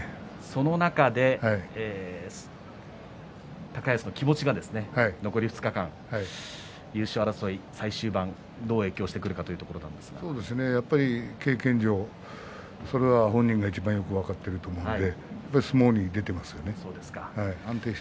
その中で高安の気持ちが残り２日間優勝争い最終盤どう影響してくるか経験上それは本人がよく分かってると思うので相撲に出ていますよね。